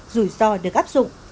rủi ro được áp dụng